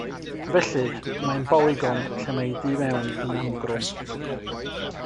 Felly, mae'n bolygon lle mae ei du mewn yn amgrwm.